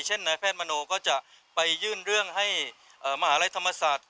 นายแพทย์มโนก็จะไปยื่นเรื่องให้มหาลัยธรรมศาสตร์